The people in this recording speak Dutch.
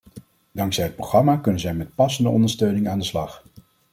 Dankzij het programma kunnen zij met passende ondersteuning aan de slag.